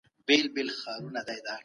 درې تر پنځو لږ دی.